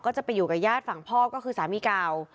ก็จะไปอยู่กับญาติฝั่งพ่อก็คือสามีเก่า